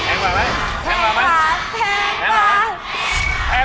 แพงกว่าไหมแพงกว่าแพงกว่า